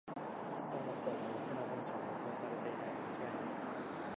そもそもろくな文章が録音されていない。